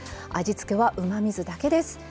味付けはうまみ酢だけです。